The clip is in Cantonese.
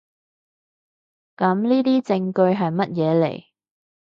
噉呢啲證據喺乜嘢嚟？